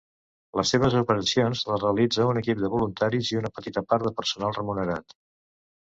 Les seves operacions les realitza un equip de voluntaris i una petita part de personal remunerat.